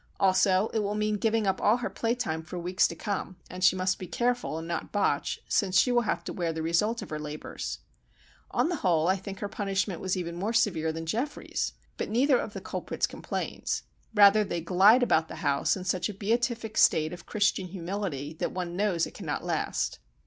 Also, it will mean giving up all her playtime for weeks to come, and she must be careful and not botch, since she will have to wear the result of her labours. On the whole, I think her punishment was even more severe than Geoffrey's. But neither of the culprits complains. Rather they glide about the house in such a beatific state of Christian humility that one knows it cannot last.